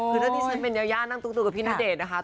ก็จะเป็นยานั่งตุ๊กกับพี่ณเดชน์นะคะ